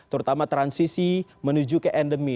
terutama transisi menuju ke endemi